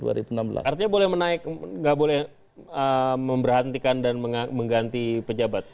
artinya boleh menaik nggak boleh memberhentikan dan mengganti pejabat